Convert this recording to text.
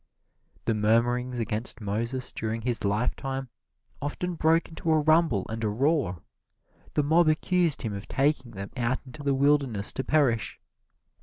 The murmurings against Moses during his lifetime often broke into a rumble and a roar. The mob accused him of taking them out into the wilderness to perish.